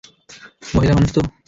মহিলা মানুষ তো!